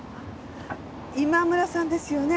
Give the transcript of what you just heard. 今村さんですよね？